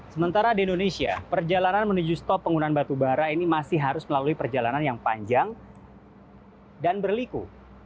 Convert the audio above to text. sementara di indonesia perjalanan menuju stop penggunaan batu bara ini masih harus melalui perjalanan yang panjang dan berliku